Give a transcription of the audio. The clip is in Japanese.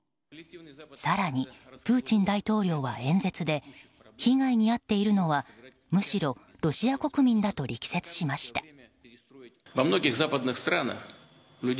更に、プーチン大統領は演説で被害に遭っているのは、むしろロシア国民だと力説しました。